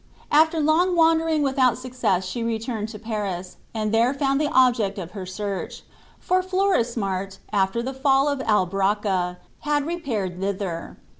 After long wandering without success she returned to Paris, and there found the object of her search; for Florismart, after the fall of Albracca, had repaired thither.